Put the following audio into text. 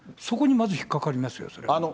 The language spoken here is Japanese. そこにまず、引っ掛かりますよ、それは。